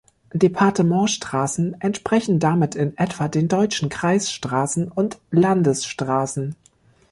Departementsstraßen entsprechen damit in etwa den deutschen Kreisstraßen und Landesstraßen.